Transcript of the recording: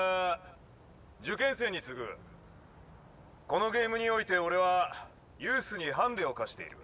このゲームにおいて俺はユースにハンデを課している」。